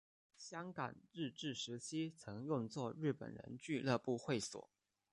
香港日治时期曾用作日本人俱乐部会所。